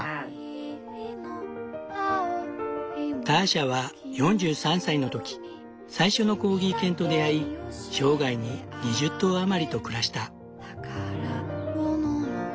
ターシャは４３歳の時最初のコーギー犬と出会い生涯に２０頭余りと暮らした。